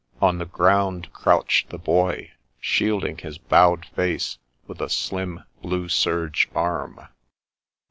On the ground crouched the Boy, shielding his bowed face with a slim, blue serge arm.